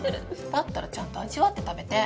だったらちゃんと味わって食べて。